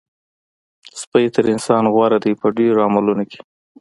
سپی تر انسان غوره دی په ډېرو عملونو کې.